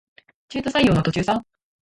中途採用の途中さ